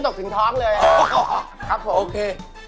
คนกลาง